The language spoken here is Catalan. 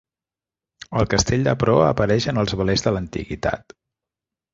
El castell de proa apareix en els velers de l'antiguitat.